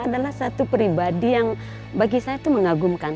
adalah satu pribadi yang bagi saya itu mengagumkan